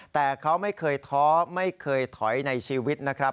แต่เขาไม่เคยท้อไม่เคยถอยในชีวิตนะครับ